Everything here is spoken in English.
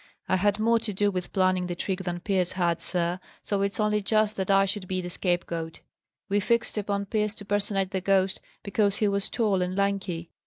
"I had more to do with planning the trick than Pierce had, sir, so it's only just that I should be the scapegoat. We fixed upon Pierce to personate the ghost because he was tall and lanky.